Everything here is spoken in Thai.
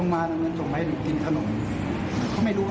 ไม่เครก